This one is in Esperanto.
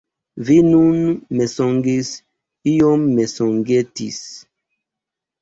Vi nun mensogis, iom mensogetis.